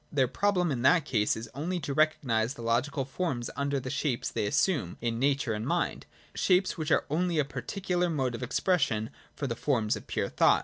Their problem in that case is only to recognise the logical forms under the shapes they assume in Nature and Mind, — shapes which are only a particular mode of expression for the forms of pure thought.